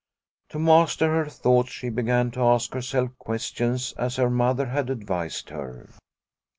To master her thoughts she began to ask herself questions as her Mother had advised her.